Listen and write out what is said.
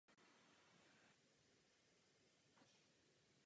Hřídel byla poháněna motorem a byla pevně spojena s rámem podvozku.